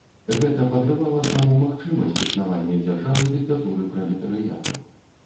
Гэта падрывала саму магчымасць існавання дзяржавы дыктатуры пралетарыяту.